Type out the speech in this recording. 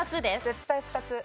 絶対２つ。